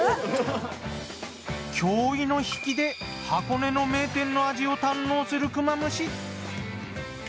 驚異の引きで箱根の名店の味を堪能するクマムシ。